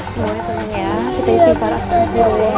semuanya tenang ya kita istighfar asafirullah